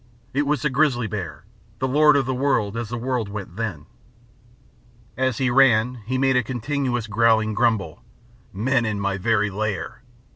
It was the grizzly bear, the lord of the world as the world went then. As he ran he made a continuous growling grumble. "Men in my very lair!